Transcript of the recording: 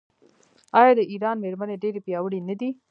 آیا د ایران میرمنې ډیرې پیاوړې نه دي؟